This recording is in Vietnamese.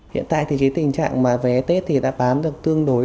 hiện tại thì cái tình trạng mà vé tết thì đã bán được tương đối